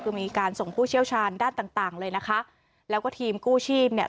คือมีการส่งผู้เชี่ยวชาญด้านต่างต่างเลยนะคะแล้วก็ทีมกู้ชีพเนี่ย